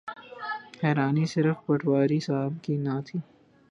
حیرانی صرف پٹواری صاحب کی نہ تھی۔